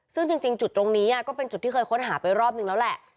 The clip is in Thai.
ซึ่งจริงจุดตรงนี้ก็เป็นจุดที่เคยค้นหาไปรอบนึงแล้วแหละ